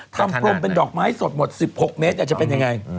พรมเป็นดอกไม้สดหมด๑๖เมตรจะเป็นยังไง